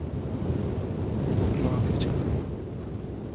Nawfịja